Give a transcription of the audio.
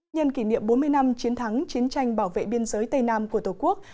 nhân kỷ niệm bốn mươi năm chiến thắng chiến tranh bảo vệ biên giới tây nam của tổ quốc